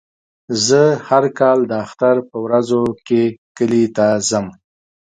زه هر کال د اختر په ورځو کې کلي ته ځم.